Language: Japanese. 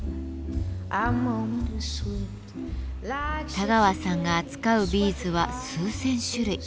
田川さんが扱うビーズは数千種類。